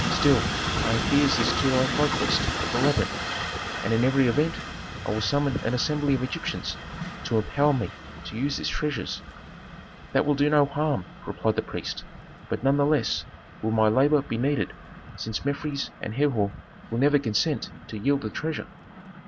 Still I have fears as to thy conquest of the labyrinth, and in every event I will summon an assembly of Egyptians to empower me to use its treasures." "That will do no harm," replied the priest. "But none the less will my labor be needed, since Mefres and Herhor will never consent to yield the treasure."